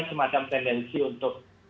semacam tendensi untuk